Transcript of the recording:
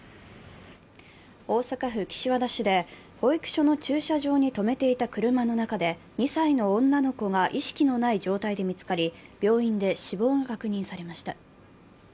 大阪府岸和田市で保育所の駐車場に止めていた車の中で２歳の女の子が意識のない状態で見つかり病院で死亡が確認されました。